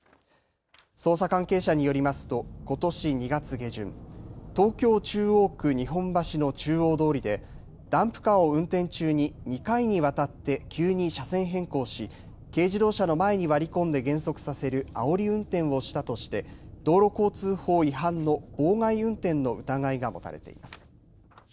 捜査関係者によりますとことし２月下旬、東京中央区日本橋の中央通りでダンプカーを運転中に２回にわたって急に車線変更し軽自動車の前に割り込んで減速させるあおり運転をしたとして道路交通法違反の妨害運転の疑いが持たれています。